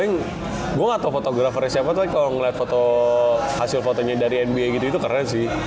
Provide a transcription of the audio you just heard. yang gue gak tau fotografernya siapa tapi kalau ngeliat foto hasil fotonya dari nba gitu itu keren sih